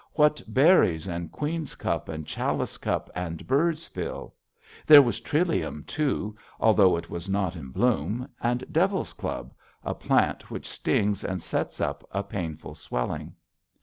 What berries and queen's cup and chalice cup and bird's bill! There was trillium, too, although it was not in bloom, and devil's club, a plant which stings and sets up a painful swelling.